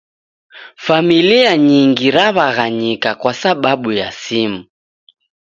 Familia nyingi raw'aghanyika kwa sababu ya simu